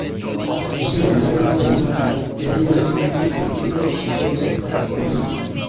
Ĝia dezajno plenumas la kriteriojn pri funkcio, simpleco kaj ekonomio.